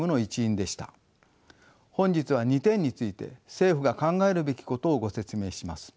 本日は２点について政府が考えるべきことをご説明します。